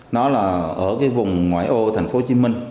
nó là ở cái vùng ngoại ô thành phố hồ chí minh